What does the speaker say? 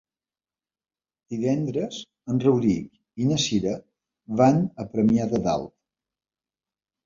Divendres en Rauric i na Cira van a Premià de Dalt.